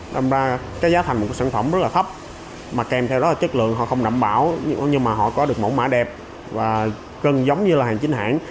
đâm ra cái giá thành của sản phẩm rất là thấp mà kèm theo đó là chất lượng họ không đảm bảo nhưng mà họ có được mẫu mã đẹp và gần giống như là hàng chính hãng